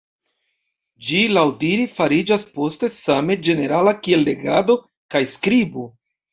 Ĝi laŭdire fariĝas poste same ĝenerala kiel legado kaj skribo.